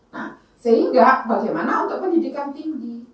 nah sehingga bagaimana untuk pendidikan tinggi